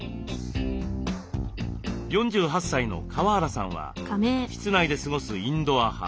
４８歳の川原さんは室内で過ごすインドア派。